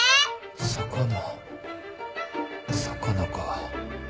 魚魚か。